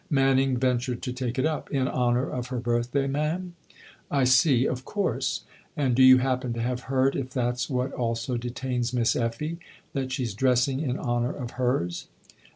Manning ventured to take it up. " In honour of her birthday, ma'am." " I see of course. And do you happen to have heard if that's what also detains Miss EfHe that she's dressing in honour of hers